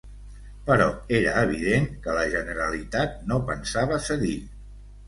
Però era evident que la Generalitat no pensava cedir